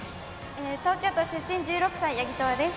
東京都出身１６歳、八木仁愛です。